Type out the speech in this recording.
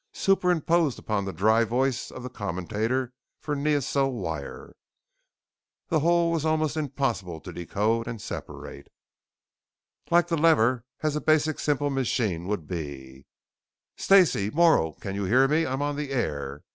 Superimposed upon the dry voice of the commentator for Neosol Wire, the whole was almost impossible to decode and separate: " like the lever as the basic simple machine which would be "_Stacey, Morrow! Can you hear me? I'm on the air.